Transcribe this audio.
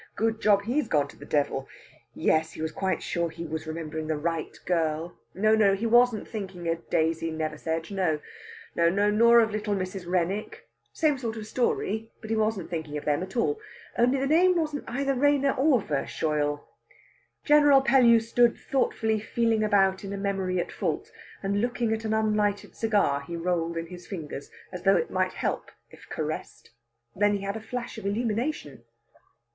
Good job he's gone to the devil! Yes, he was quite sure he was remembering the right girl. No, no, he wasn't thinking of Daisy Neversedge no, nor of little Miss Wrennick: same sort of story, but he wasn't thinking of them at all. Only the name wasn't either Rayner or Verschoyle. General Pellew stood thoughtfully feeling about in a memory at fault, and looking at an unlighted cigar he rolled in his fingers, as though it might help if caressed. Then he had a flash of illumination.